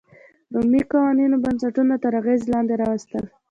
رومي قوانینو بنسټونه تر اغېز لاندې راوستل.